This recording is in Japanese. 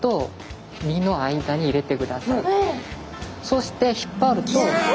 そして引っ張ると。